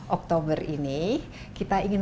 oktober ini kita ingin